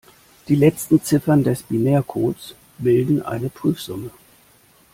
Die letzten Ziffern des Binärcodes bilden eine Prüfsumme.